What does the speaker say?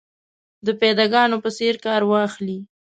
د پیاده ګانو په څېر کار واخلي.